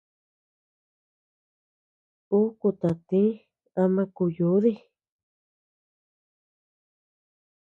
Ú katatïi ama kúu yúdii.